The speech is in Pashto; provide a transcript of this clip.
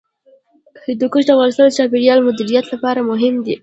هندوکش د افغانستان د چاپیریال د مدیریت لپاره مهم دي.